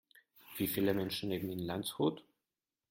Wie viele Menschen leben in Landshut?